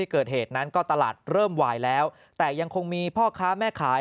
ก็ตลาดเริ่มหวายแล้วแต่ยังคงมีพ่อค้าแม่ขาย